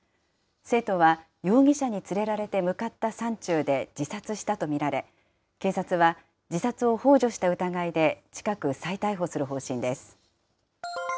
生徒は容疑者に連れられて向かった山中で自殺したと見られ、警察は、自殺をほう助した疑いで近く、再逮捕する方針です。